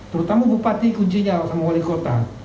terutama bupati kuncinya sama wali kota